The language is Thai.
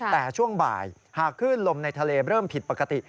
แต่ช่วงบ่ายหากคลื่นลมในทะเลเริ่มผิดปกติ